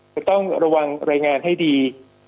จะต้องระวังรายงานให้ดี